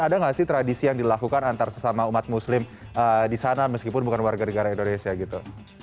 ada nggak sih tradisi yang dilakukan antar sesama umat muslim di sana meskipun bukan warga negara indonesia gitu